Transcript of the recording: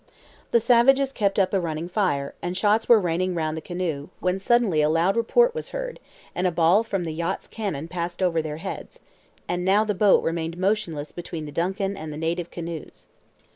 The savages kept up a running fire, and shots were raining round the canoe, when suddenly a loud report was heard, and a ball from the yacht's cannon passed over their heads, and now the boat remained motionless between the DUNCAN and the native canoes.